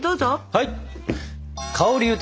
はい！